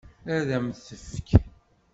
Ad m-t-tefk?